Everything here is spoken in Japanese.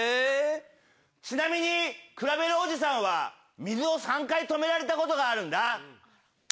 ちなみにくらベルおじさんは水を３回止められたことがあるんだ。